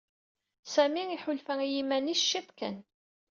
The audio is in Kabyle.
Sami iḥulfa i yiman-is ciṭ kan.